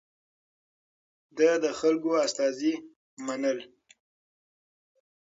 ده د خلکو استازي منل.